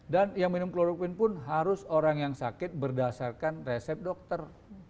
dan yang minum kloroquine pun harus orang yang sakit berdasarkan resep dokter